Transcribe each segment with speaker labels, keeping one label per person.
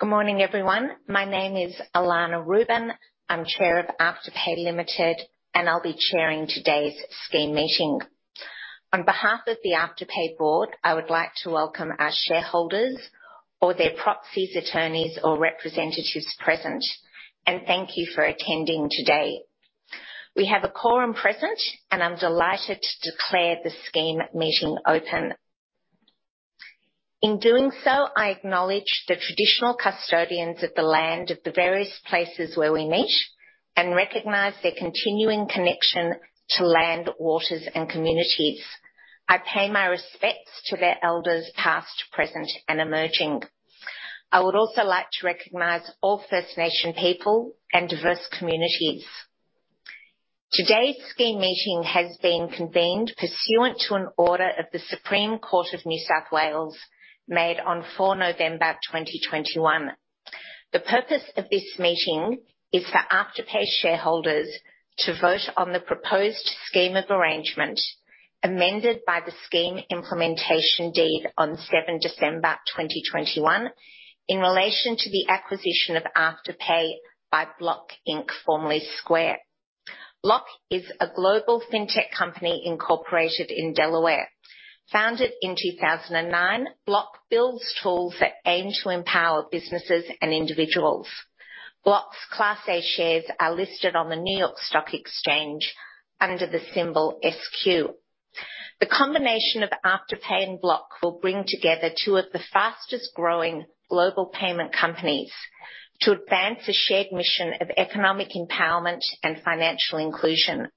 Speaker 1: Good morning, everyone. My name is Elana Rubin. I'm Chair of Afterpay Limited, and I'll be chairing today's scheme meeting. On behalf of the Afterpay Board, I would like to welcome our shareholders or their proxies, attorneys, or representatives present, and thank you for attending today. We have a quorum present, and I'm delighted to declare the scheme meeting open. In doing so, I acknowledge the traditional custodians of the land of the various places where we meet, and recognize their continuing connection to land, waters, and communities. I pay my respects to their elders, past, present, and emerging. I would also like to recognize all First Nation people and diverse communities. Today's scheme meeting has been convened pursuant to an order of the Supreme Court of New South Wales made on 4 November 2021. The purpose of this meeting is for Afterpay shareholders to vote on the proposed scheme of arrangement, amended by the scheme implementation deed on 7 December 2021, in relation to the acquisition of Afterpay by Block, Inc., formerly Square. Block is a global Fintech company incorporated in Delaware. Founded in 2009, Block builds tools that aim to empower businesses and individuals. Block's Class A shares are listed on the New York Stock Exchange under the symbol SQ. The combination of Afterpay and Block will bring together two of the fastest-growing global payment companies to advance a shared mission of economic empowerment and financial inclusion.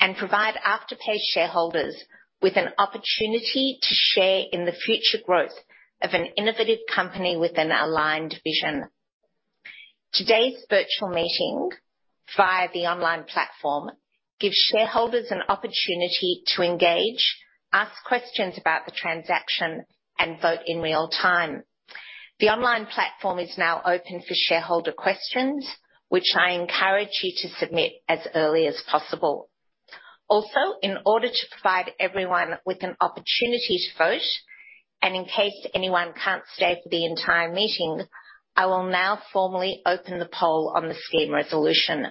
Speaker 1: And provide Afterpay shareholders with an opportunity to share in the future growth of an innovative company with an aligned vision. Today's virtual meeting via the online platform gives shareholders an opportunity to engage, ask questions about the transaction, and vote in real-time. The online platform is now open for shareholder questions, which I encourage you to submit as early as possible. Also, in order to provide everyone with an opportunity to vote, and in case anyone can't stay for the entire meeting, I will now formally open the poll on the scheme resolution.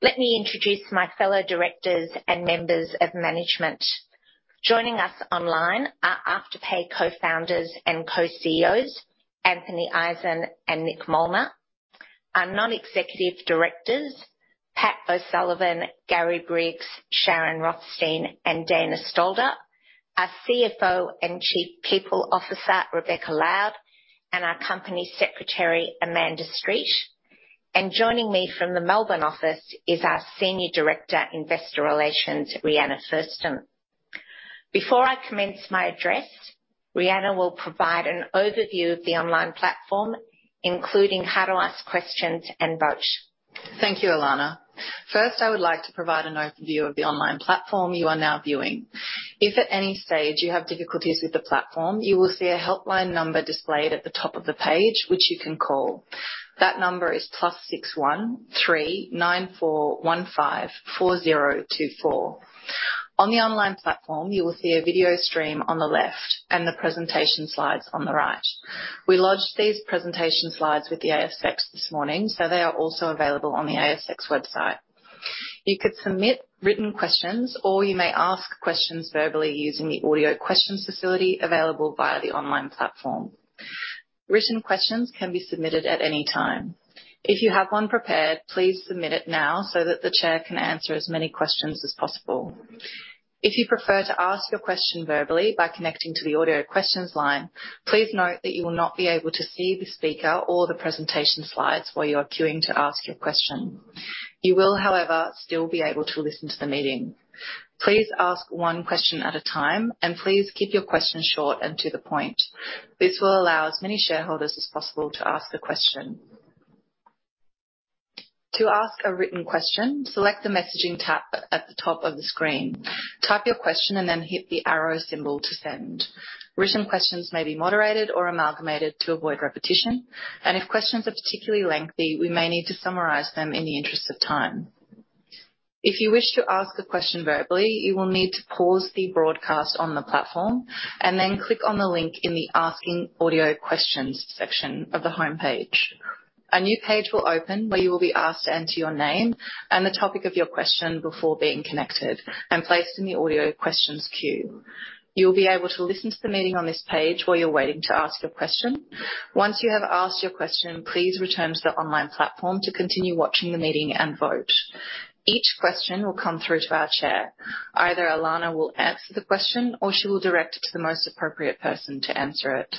Speaker 1: Let me introduce my fellow directors and members of management. Joining us online are Afterpay Co-Founders and Co-CEOs, Anthony Eisen and Nick Molnar, our Non-Executive Directors, Pat O'Sullivan, Gary Briggs, Sharon Rothstein, and Dana Stalder, our CFO and Chief People Officer, Rebecca Lowde, and our Company Secretary, Amanda Street. Joining me from the Melbourne office is our Senior Director, Investor Relations, Rhianna Fursdon. Before I commence my address, Rhianna will provide an overview of the online platform, including how to ask questions and vote.
Speaker 2: Thank you, Elana. First, I would like to provide an overview of the online platform you are now viewing. If at any stage you have difficulties with the platform, you will see a helpline number displayed at the top of the page which you can call. That number is +61 3 9415 4024. On the online platform, you will see a video stream on the left and the presentation slides on the right. We lodged these presentation slides with the ASX this morning, so they are also available on the ASX website. You could submit written questions, or you may ask questions verbally using the audio questions facility available via the online platform. Written questions can be submitted at any time. If you have one prepared, please submit it now so that the Chair can answer as many questions as possible. If you prefer to ask your question verbally by connecting to the audio questions line, please note that you will not be able to see the speaker or the presentation slides while you are queuing to ask your question. You will, however, still be able to listen to the meeting. Please ask one question at a time and please keep your questions short and to the point. This will allow as many shareholders as possible to ask a question. To ask a written question, select the Messaging tab at the top of the screen, type your question, and then hit the arrow symbol to send. Written questions may be moderated or amalgamated to avoid repetition, and if questions are particularly lengthy, we may need to summarize them in the interest of time. If you wish to ask a question verbally, you will need to pause the broadcast on the platform and then click on the link in the Asking Audio Questions section of the homepage. A new page will open where you will be asked to enter your name and the topic of your question before being connected and placed in the audio questions queue. You'll be able to listen to the meeting on this page while you're waiting to ask your question. Once you have asked your question, please return to the online platform to continue watching the meeting and vote. Each question will come through to our Chair. Either Elana will answer the question or she will direct it to the most appropriate person to answer it.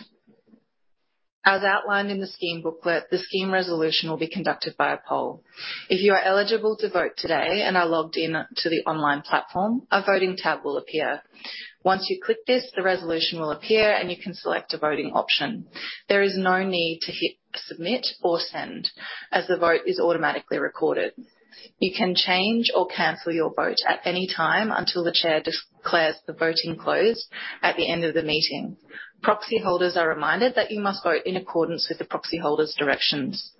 Speaker 2: As outlined in the scheme booklet, the scheme resolution will be conducted by a poll. If you are eligible to vote today and are logged in to the online platform, a Voting tab will appear. Once you click this, the resolution will appear, and you can select a voting option. There is no need to hit Submit or Send as the vote is automatically recorded. You can change or cancel your vote at any time until the chair declares the voting closed at the end of the meeting. Proxy holders are reminded that you must vote in accordance with the proxy holder's directions.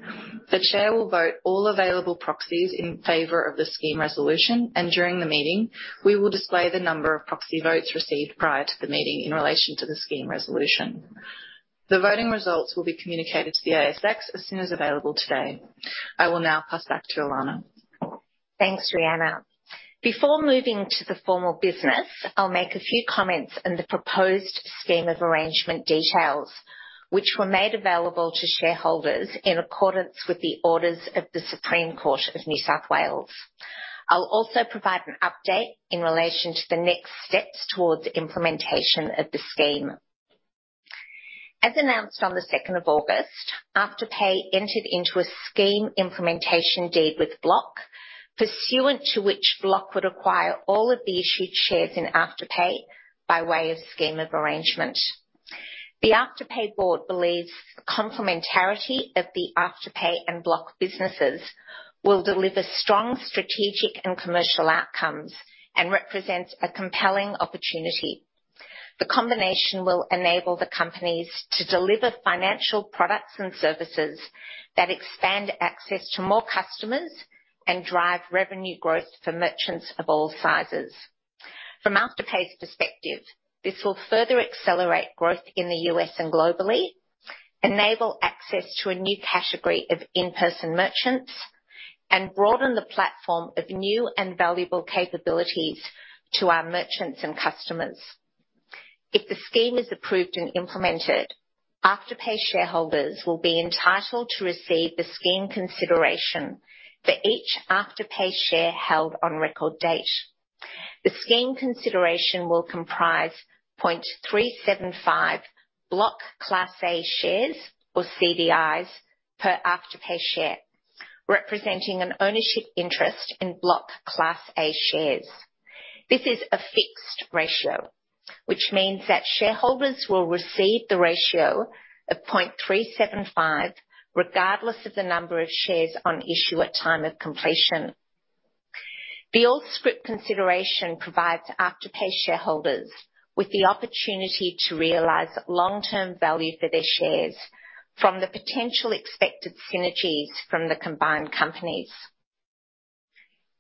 Speaker 2: The Chair will vote all available proxies in favor of the scheme resolution, and during the meeting, we will display the number of proxy votes received prior to the meeting in relation to the scheme resolution. The voting results will be communicated to the ASX as soon as available today. I will now pass back to Elana.
Speaker 1: Thanks, Rhianna. Before moving to the formal business, I'll make a few comments on the proposed scheme of arrangement details which were made available to shareholders in accordance with the orders of the Supreme Court of New South Wales. I'll also provide an update in relation to the next steps towards implementation of the scheme. As announced on the 2nd of August, Afterpay entered into a Scheme Implementation Deed with Block, pursuant to which Block would acquire all of the issued shares in Afterpay by way of scheme of arrangement. The Afterpay Board believes complementarity of the Afterpay and Block businesses will deliver strong strategic and commercial outcomes and represents a compelling opportunity. The combination will enable the companies to deliver financial products and services that expand access to more customers and drive revenue growth for merchants of all sizes. From Afterpay's perspective, this will further accelerate growth in the U.S. and globally, enable access to a new category of in-person merchants, and broaden the platform of new and valuable capabilities to our merchants and customers. If the scheme is approved and implemented, Afterpay shareholders will be entitled to receive the scheme consideration for each Afterpay share held on record date. The scheme consideration will comprise 0.375 Block Class A shares, or CDIs, per Afterpay share, representing an ownership interest in Block Class A shares. This is a fixed ratio, which means that shareholders will receive the ratio of 0.375, regardless of the number of shares on issue at time of completion. The all-scrip consideration provides Afterpay shareholders with the opportunity to realize long-term value for their shares from the potential expected synergies from the combined companies.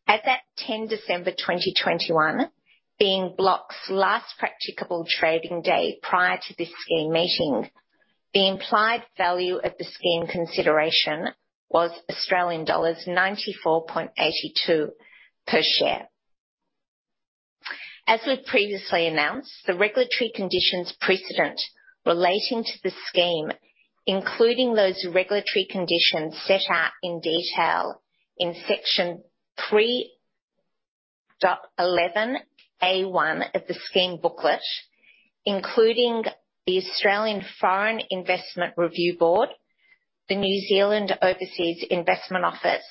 Speaker 1: As at 10 December 2021, being Block's last practicable trading day prior to this scheme meeting, the implied value of the scheme consideration was Australian dollars 94.82 per share. As we've previously announced, the regulatory conditions precedent relating to the scheme, including those regulatory conditions set out in detail in Section 3.11A1 of the scheme booklet, including the Australian Foreign Investment Review Board, the New Zealand Overseas Investment Office,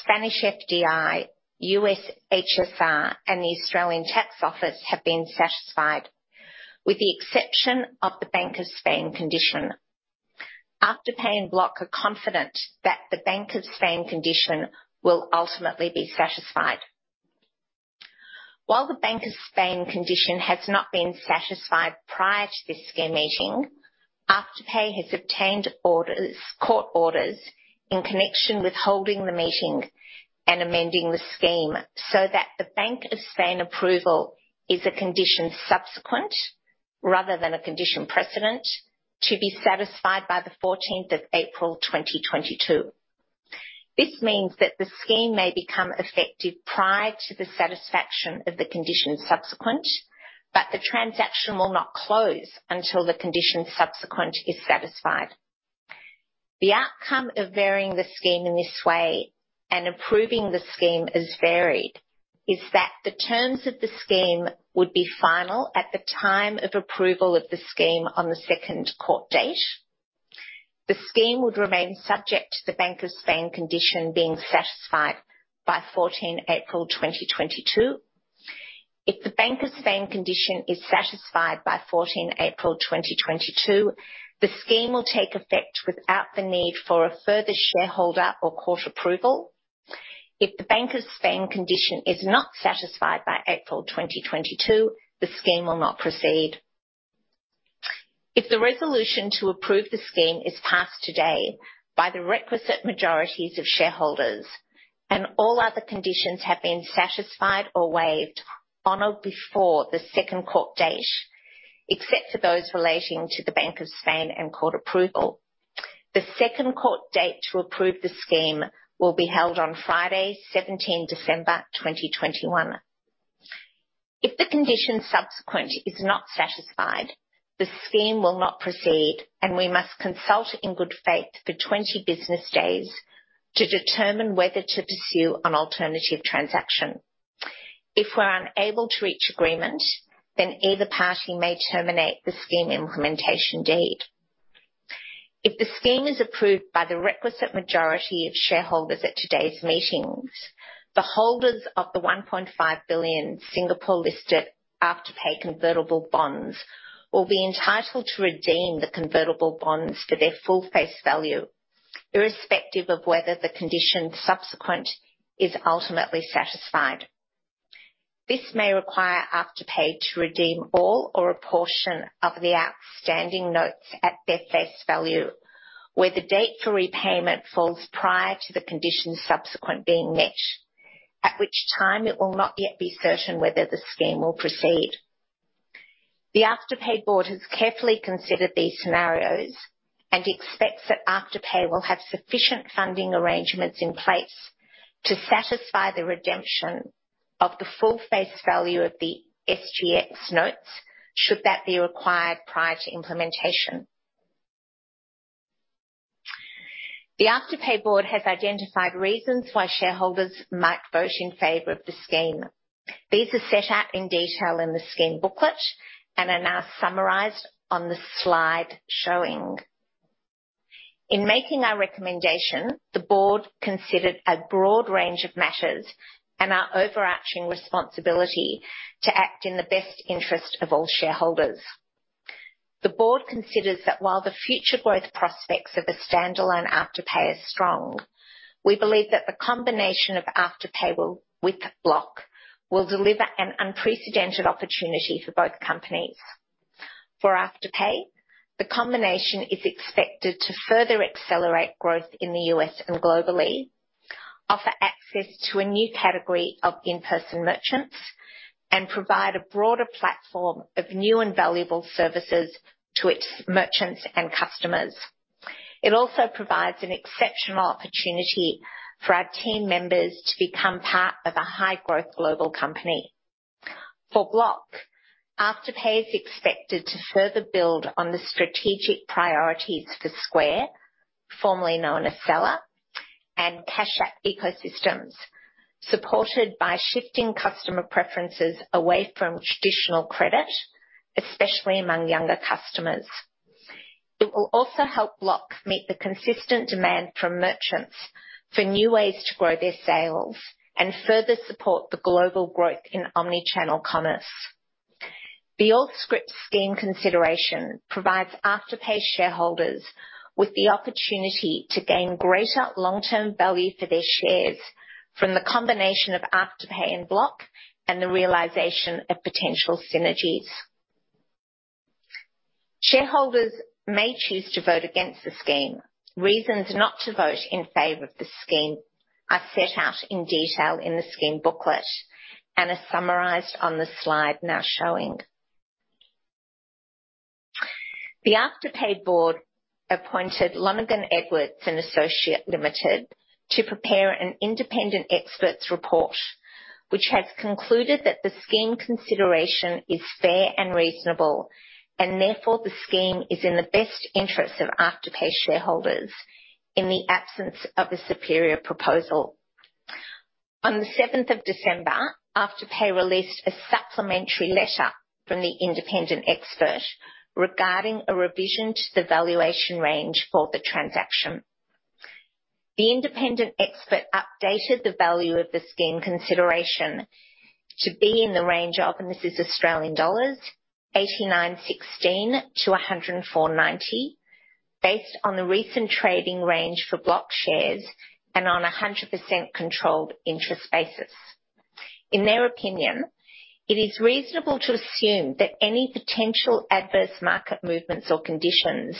Speaker 1: Spanish FDI, U.S. HSR, and the Australian Taxation Office, have been satisfied, with the exception of the Bank of Spain condition. Afterpay and Block are confident that the Bank of Spain condition will ultimately be satisfied. While the Bank of Spain condition has not been satisfied prior to this scheme meeting, Afterpay has obtained orders, court orders in connection with holding the meeting and amending the scheme so that the Bank of Spain approval is a condition subsequent rather than a condition precedent, to be satisfied by the 14th of April 2022. This means that the scheme may become effective prior to the satisfaction of the condition subsequent, but the transaction will not close until the condition subsequent is satisfied. The outcome of varying the scheme in this way and approving the scheme as varied, is that the terms of the scheme would be final at the time of approval of the scheme on the second court date. The scheme would remain subject to the Bank of Spain condition being satisfied by 14 April 2022. If the Bank of Spain condition is satisfied by 14 April 2022, the scheme will take effect without the need for a further shareholder or court approval. If the Bank of Spain condition is not satisfied by April 2022, the scheme will not proceed. If the resolution to approve the scheme is passed today by the requisite majorities of shareholders and all other conditions have been satisfied or waived on or before the second court date, except for those relating to the Bank of Spain and court approval, the second court date to approve the scheme will be held on Friday, 17 December 2021. If the condition subsequent is not satisfied, the scheme will not proceed and we must consult in good faith for 20 business days to determine whether to pursue an alternative transaction. If we're unable to reach agreement, then either party may terminate the Scheme Implementation Deed. If the scheme is approved by the requisite majority of shareholders at today's meetings, the holders of the 1.5 billion Singapore-listed Afterpay convertible bonds will be entitled to redeem the convertible bonds for their full face value, irrespective of whether the condition subsequent is ultimately satisfied. This may require Afterpay to redeem all or a portion of the outstanding notes at their face value, where the date for repayment falls prior to the condition subsequent being met. At which time it will not yet be certain whether the scheme will proceed. The Afterpay board has carefully considered these scenarios and expects that Afterpay will have sufficient funding arrangements in place to satisfy the redemption of the full face value of the SGX notes, should that be required prior to implementation. The Afterpay board has identified reasons why shareholders might vote in favor of the scheme. These are set out in detail in the scheme booklet and are now summarized on the slide showing. In making our recommendation, the board considered a broad range of matters and our overarching responsibility to act in the best interest of all shareholders. The board considers that while the future growth prospects of a stand-alone Afterpay is strong, we believe that the combination of Afterpay with Block will deliver an unprecedented opportunity for both companies. For Afterpay, the combination is expected to further accelerate growth in the U.S. and globally, offer access to a new category of in-person merchants and provide a broader platform of new and valuable services to its merchants and customers. It also provides an exceptional opportunity for our team members to become part of a high-growth global company. For Block, Afterpay is expected to further build on the strategic priorities for Square's Seller and Cash App ecosystems, supported by shifting customer preferences away from traditional credit, especially among younger customers. It will also help Block meet the consistent demand from merchants for new ways to grow their sales and further support the global growth in omnichannel commerce. The all-scrip scheme consideration provides Afterpay shareholders with the opportunity to gain greater long-term value for their shares from the combination of Afterpay and Block and the realization of potential synergies. Shareholders may choose to vote against the scheme. Reasons not to vote in favor of the scheme are set out in detail in the scheme booklet and are summarized on the slide now showing. The Afterpay Board appointed Lonergan Edwards & Associates Limited to prepare an independent expert's report, which has concluded that the scheme consideration is fair and reasonable, and therefore the scheme is in the best interest of Afterpay shareholders in the absence of a superior proposal. On the 7th of December, Afterpay released a supplementary letter from the independent expert regarding a revision to the valuation range for the transaction. The independent expert updated the value of the scheme consideration to be in the range of, and this is Australian dollars, 89.16-104.90, based on the recent trading range for Block shares and on a 100% controlled interest basis. In their opinion, it is reasonable to assume that any potential adverse market movements or conditions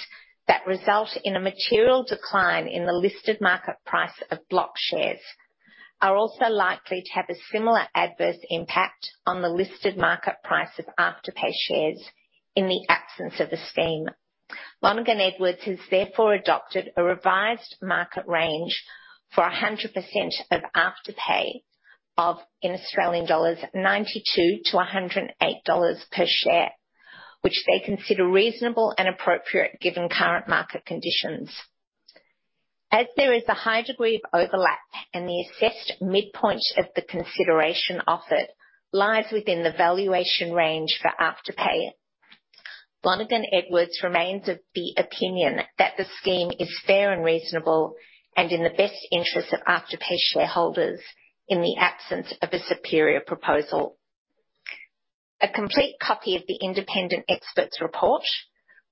Speaker 1: that result in a material decline in the listed market price of Block shares are also likely to have a similar adverse impact on the listed market price of Afterpay shares in the absence of a scheme. Lonergan Edwards has therefore adopted a revised market range for 100% of Afterpay of 92-108 dollars per share, which they consider reasonable and appropriate given current market conditions. As there is a high degree of overlap and the assessed midpoint of the consideration offered lies within the valuation range for Afterpay, Lonergan Edwards remains of the opinion that the scheme is fair and reasonable and in the best interest of Afterpay shareholders in the absence of a superior proposal. A complete copy of the independent expert's report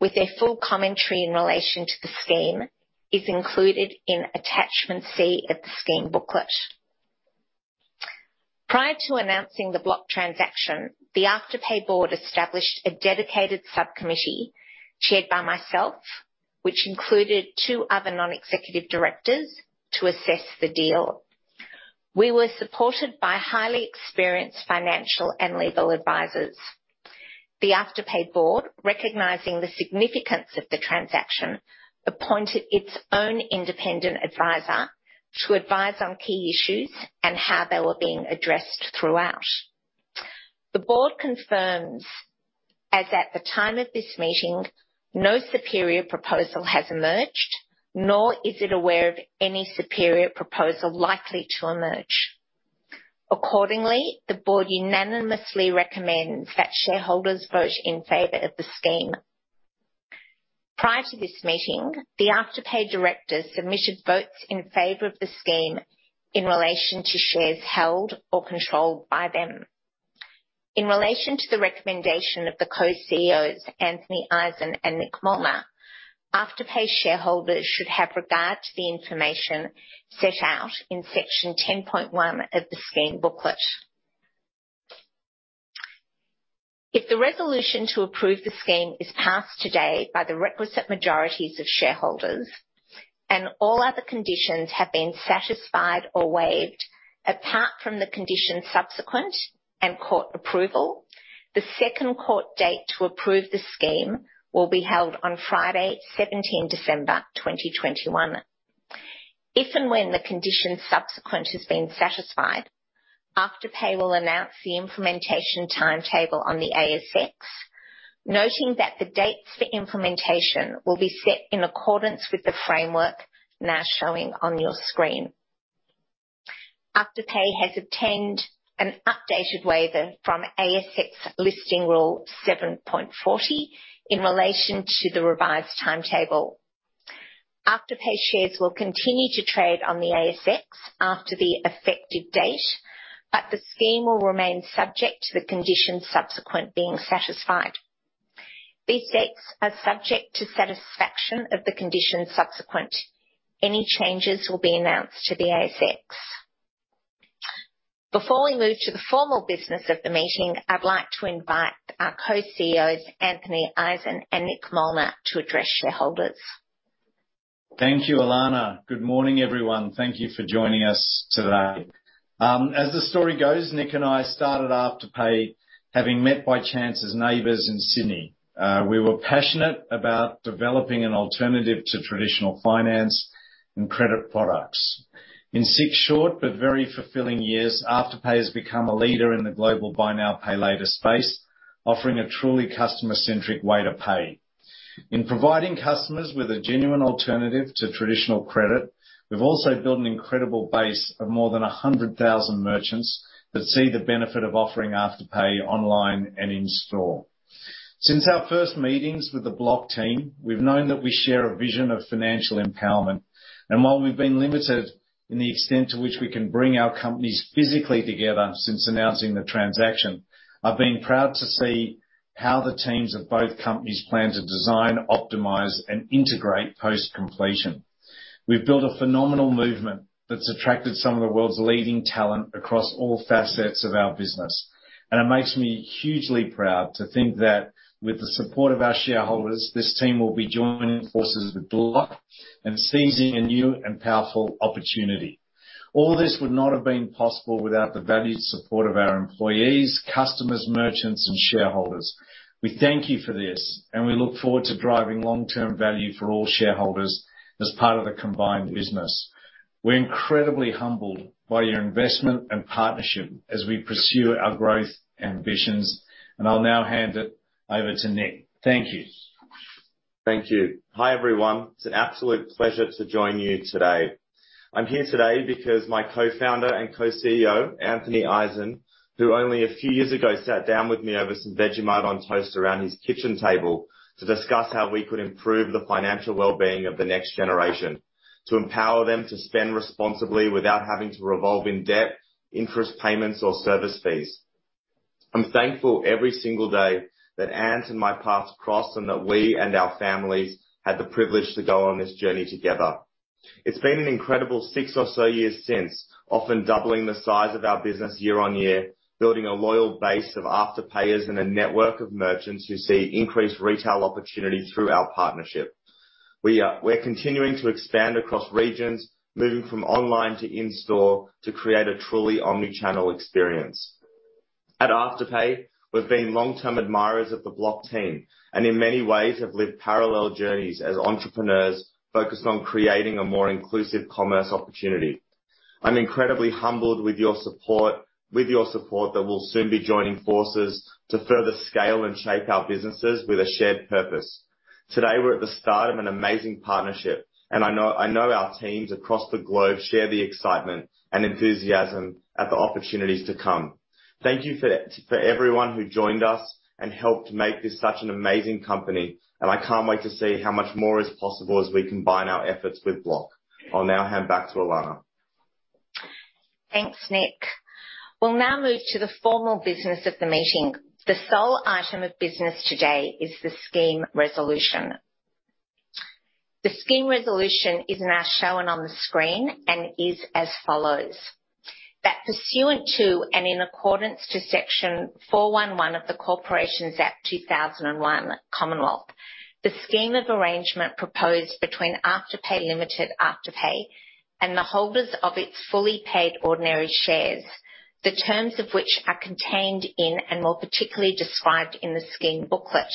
Speaker 1: with their full commentary in relation to the scheme is included in attachment C of the scheme booklet. Prior to announcing the Block transaction, the Afterpay Board established a dedicated subcommittee, chaired by myself, which included two other non-executive directors to assess the deal. We were supported by highly experienced financial and legal advisors. The Afterpay Board, recognizing the significance of the transaction, appointed its own independent advisor to advise on key issues and how they were being addressed throughout. The Board confirms, as at the time of this meeting, no superior proposal has emerged, nor is it aware of any superior proposal likely to emerge. Accordingly, the Board unanimously recommends that shareholders vote in favor of the scheme. Prior to this meeting, the Afterpay Directors submitted votes in favor of the scheme in relation to shares held or controlled by them. In relation to the recommendation of the Co-CEOs, Anthony Eisen and Nick Molnar, Afterpay shareholders should have regard to the information set out in Section 10.1 of the scheme booklet. If the resolution to approve the scheme is passed today by the requisite majorities of shareholders and all other conditions have been satisfied or waived, apart from the conditions subsequent and court approval, the second court date to approve the scheme will be held on Friday, 17th December 2021. If and when the conditions subsequent has been satisfied, Afterpay will announce the implementation timetable on the ASX, noting that the dates for implementation will be set in accordance with the framework now showing on your screen. Afterpay has obtained an updated waiver from ASX Listing Rule 7.40 in relation to the revised timetable. Afterpay shares will continue to trade on the ASX after the effective date, but the scheme will remain subject to the conditions subsequent being satisfied. These dates are subject to satisfaction of the conditions subsequent. Any changes will be announced to the ASX. Before we move to the formal business of the meeting, I'd like to invite our Co-CEOs, Anthony Eisen and Nick Molnar, to address shareholders.
Speaker 3: Thank you, Elana. Good morning, everyone. Thank you for joining us today. As the story goes, Nick and I started Afterpay having met by chance as neighbors in Sydney. We were passionate about developing an alternative to traditional finance and credit products. In six short but very fulfilling years, Afterpay has become a leader in the global buy now, pay later space, offering a truly customer-centric way to pay. In providing customers with a genuine alternative to traditional credit, we've also built an incredible base of more than 100,000 merchants that see the benefit of offering Afterpay online and in store. Since our first meetings with the Block team, we've known that we share a vision of financial empowerment. While we've been limited in the extent to which we can bring our companies physically together since announcing the transaction, I've been proud to see how the teams of both companies plan to design, optimize, and integrate post-completion. We've built a phenomenal movement that's attracted some of the world's leading talent across all facets of our business, and it makes me hugely proud to think that with the support of our shareholders, this team will be joining forces with Block and seizing a new and powerful opportunity. All this would not have been possible without the valued support of our employees, customers, merchants, and shareholders. We thank you for this, and we look forward to driving long-term value for all shareholders as part of the combined business. We're incredibly humbled by your investment and partnership as we pursue our growth ambitions. I'll now hand it over to Nick. Thank you.
Speaker 4: Thank you. Hi, everyone. It's an absolute pleasure to join you today. I'm here today because my Co-Founder and Co-CEO, Anthony Eisen, who only a few years ago sat down with me over some Vegemite on toast around his kitchen table to discuss how we could improve the financial well-being of the next generation, to empower them to spend responsibly without having to revolve in debt, interest payments, or service fees. I'm thankful every single day that Ant and my paths crossed and that we and our families had the privilege to go on this journey together. It's been an incredible six or so years since, often doubling the size of our business year-over-year, building a loyal base of Afterpayers and a network of merchants who see increased retail opportunities through our partnership. We're continuing to expand across regions, moving from online to in-store to create a truly omnichannel experience. At Afterpay, we've been long-term admirers of the Block team and in many ways have lived parallel journeys as entrepreneurs focused on creating a more inclusive commerce opportunity. I'm incredibly humbled with your support that we'll soon be joining forces to further scale and shape our businesses with a shared purpose. Today, we're at the start of an amazing partnership, and I know our teams across the globe share the excitement and enthusiasm at the opportunities to come. Thank you for everyone who joined us and helped make this such an amazing company, and I can't wait to see how much more is possible as we combine our efforts with Block. I'll now hand back to Elana.
Speaker 1: Thanks, Nick. We'll now move to the formal business of the meeting. The sole item of business today is the scheme resolution. The scheme resolution is now shown on the screen and is as follows. That, pursuant to and in accordance with section 411 of the Corporations Act 2001 (Cth), the scheme of arrangement proposed between Afterpay Limited, Afterpay, and the holders of its fully paid ordinary shares, the terms of which are contained in and more particularly described in the scheme booklet,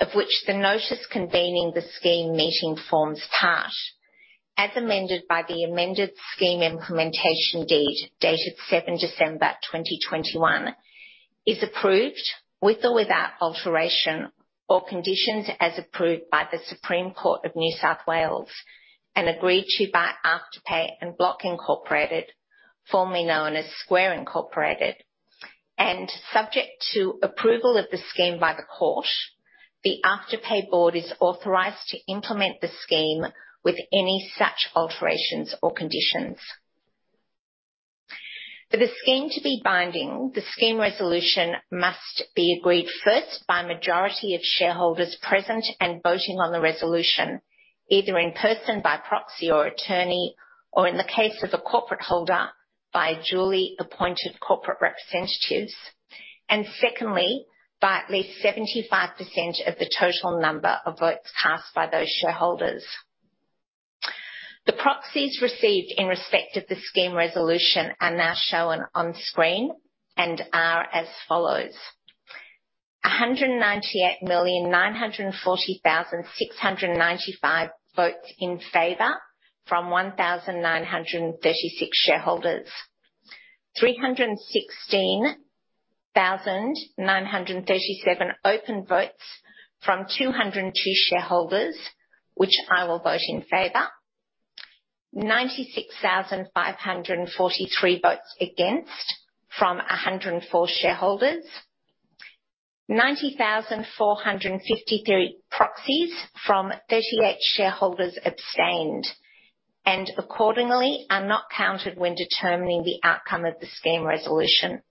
Speaker 1: of which the notice convening the scheme meeting forms part, as amended by the amended Scheme Implementation Deed dated 7 December 2021, is approved with or without alteration or conditions as approved by the Supreme Court of New South Wales and agreed to by Afterpay and Block, Inc., formerly known as Square, Inc. Subject to approval of the scheme by the court, the Afterpay board is authorized to implement the scheme with any such alterations or conditions. For the scheme to be binding, the scheme resolution must be agreed first by majority of shareholders present and voting on the resolution, either in person by proxy or attorney, or in the case of a corporate holder by duly appointed corporate representatives, and secondly, by at least 75% of the total number of votes cast by those shareholders. The proxies received in respect of the scheme resolution are now shown on screen and are as follows: 198,940,695 votes in favor from 1,936 shareholders. 316,937 open votes from 202 shareholders, which I will vote in favor. 96,543 votes against from 104 shareholders. 90,453 proxies from 38 shareholders abstained, and accordingly are not counted when determining the outcome of the scheme resolution.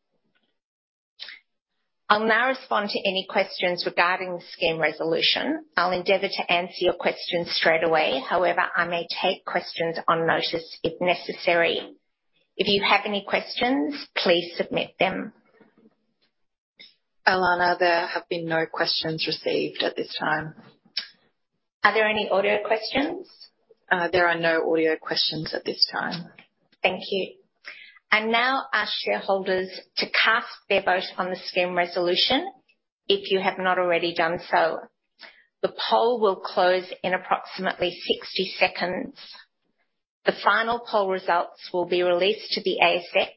Speaker 1: I'll now respond to any questions regarding the scheme resolution. I'll endeavor to answer your questions straight away. However, I may take questions on notice if necessary. If you have any questions, please submit them.
Speaker 2: Elana, there have been no questions received at this time.
Speaker 1: Are there any audio questions?
Speaker 2: There are no audio questions at this time.
Speaker 1: Thank you. I now ask shareholders to cast their vote on the scheme resolution if you have not already done so. The poll will close in approximately 60 seconds. The final poll results will be released to the ASX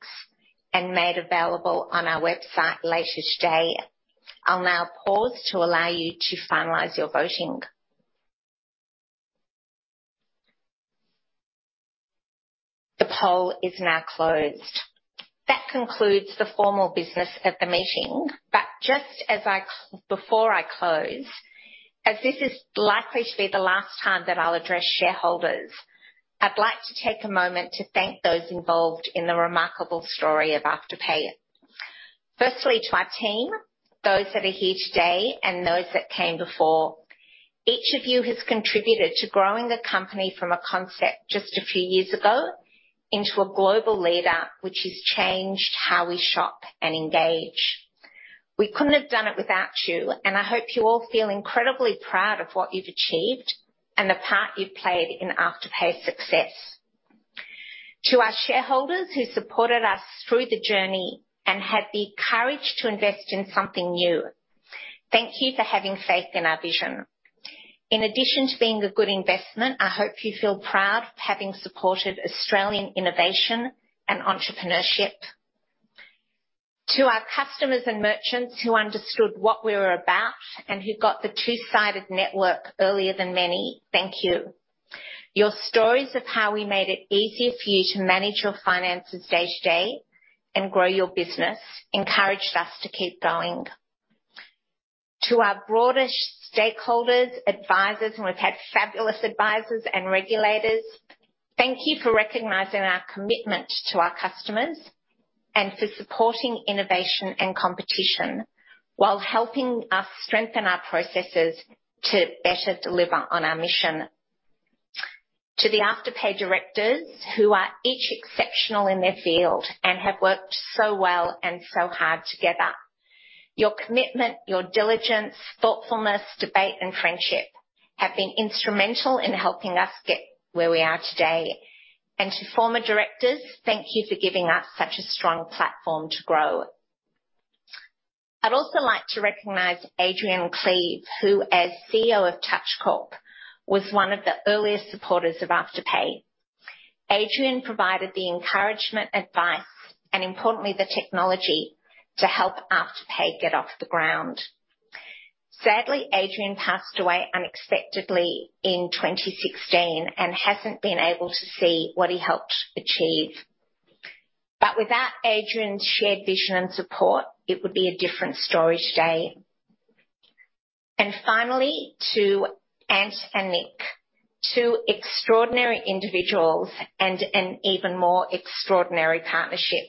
Speaker 1: and made available on our website later today. I'll now pause to allow you to finalize your voting. The poll is now closed. That concludes the formal business of the meeting. Before I close, as this is likely to be the last time that I'll address shareholders, I'd like to take a moment to thank those involved in the remarkable story of Afterpay. Firstly, to my team, those that are here today and those that came before. Each of you has contributed to growing the company from a concept just a few years ago into a global leader which has changed how we shop and engage. We couldn't have done it without you, and I hope you all feel incredibly proud of what you've achieved and the part you played in Afterpay's success. To our shareholders who supported us through the journey and had the courage to invest in something new, thank you for having faith in our vision. In addition to being a good investment, I hope you feel proud of having supported Australian innovation and entrepreneurship. To our customers and merchants who understood what we were about and who got the two-sided network earlier than many, thank you. Your stories of how we made it easier for you to manage your finances day-to-day and grow your business encouraged us to keep going. To our broader stakeholders, advisors, and we've had fabulous advisors and regulators, thank you for recognizing our commitment to our customers and for supporting innovation and competition while helping us strengthen our processes to better deliver on our mission. To the Afterpay Directors, who are each exceptional in their field and have worked so well and so hard together, your commitment, your diligence, thoughtfulness, debate, and friendship have been instrumental in helping us get where we are today. To former directors, thank you for giving us such a strong platform to grow. I'd also like to recognize Adrian Cleeve, who as CEO of Touchcorp, was one of the earliest supporters of Afterpay. Adrian provided the encouragement, advice, and importantly, the technology to help Afterpay get off the ground. Sadly, Adrian passed away unexpectedly in 2016 and hasn't been able to see what he helped achieve. Without Adrian's shared vision and support, it would be a different story today. Finally, to Ant and Nick, two extraordinary individuals and an even more extraordinary partnership.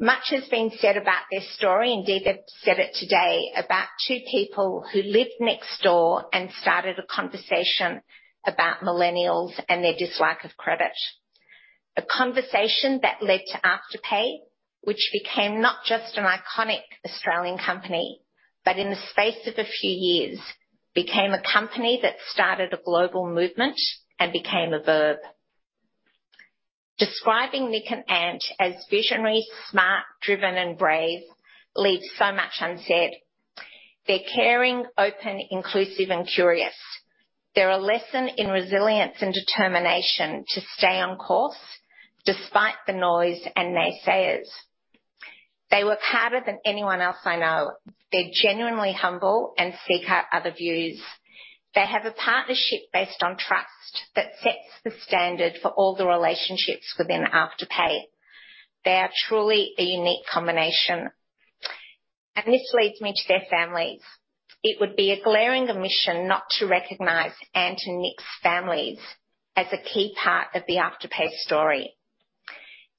Speaker 1: Much has been said about their story, and David said it today, about two people who lived next door and started a conversation about millennials and their dislike of credit. A conversation that led to Afterpay, which became not just an iconic Australian company, but in the space of a few years, became a company that started a global movement and became a verb. Describing Nick and Ant as visionary, smart, driven, and brave leaves so much unsaid. They're caring, open, inclusive, and curious. They're a lesson in resilience and determination to stay on course despite the noise and naysayers. They work harder than anyone else I know. They're genuinely humble and seek out other views. They have a partnership based on trust that sets the standard for all the relationships within Afterpay. They are truly a unique combination. This leads me to their families. It would be a glaring omission not to recognize Ant and Nick's families as a key part of the Afterpay story.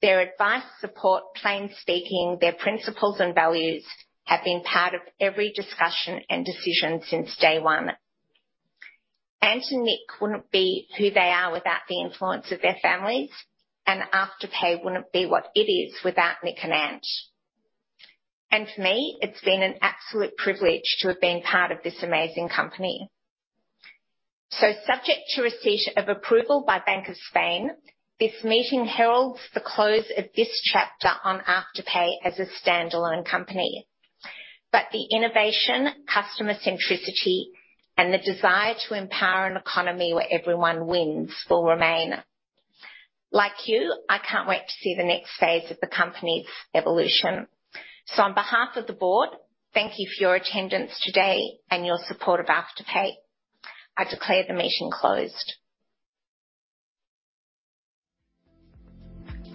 Speaker 1: Their advice, support, plain speaking, their principles and values have been part of every discussion and decision since day one. Ant and Nick wouldn't be who they are without the influence of their families, and Afterpay wouldn't be what it is without Nick and Ant. For me, it's been an absolute privilege to have been part of this amazing company. Subject to receipt of approval by Bank of Spain, this meeting heralds the close of this chapter on Afterpay as a standalone company. The innovation, customer centricity, and the desire to empower an economy where everyone wins will remain. Like you, I can't wait to see the next phase of the company's evolution. On behalf of the board, thank you for your attendance today and your support of Afterpay. I declare the meeting closed.